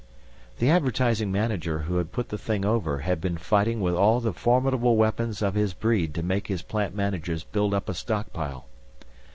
The Advertising Manager who had put the thing over had been fighting with all the formidable weapons of his breed to make his plant managers build up a stockpile.